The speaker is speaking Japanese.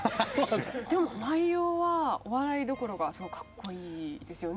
でも内容はお笑いどころかかっこいいですよね。